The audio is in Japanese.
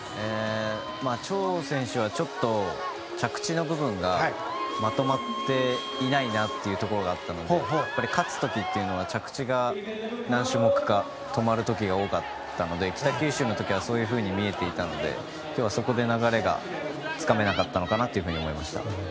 チョウ選手は着地の部分がまとまっていないなというところがあったので勝つ時というのは着地が何種目か止まる時が多かったので北九州の時はそういうふうに見えていたので今日はそこで流れがつかめなかったのかなと思いました。